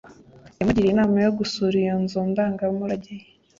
yamugiriye inama yo gusura iyo nzu ndangamurage